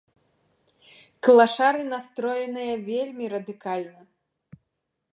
Клашары настроеныя вельмі радыкальна.